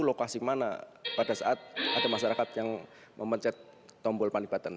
lokasi mana pada saat ada masyarakat yang memencet tombol pani button